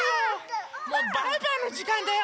もうバイバイのじかんだよ！